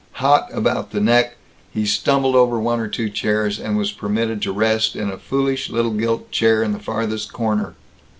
Hot about the neck, he stumbled over one or two chairs, and was permitted to rest in a foolish little gilt chair in the farthest corner.